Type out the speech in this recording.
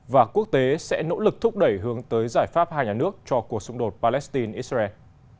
và quốc tế sẽ nỗ lực thúc đẩy hướng tới giải pháp hai nhà nước cho cuộc xung đột palestine israel